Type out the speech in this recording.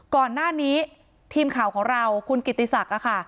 ก่อนหน้านี้ทีมข่าวของเราคุณกิติศักดิ์ค่ะ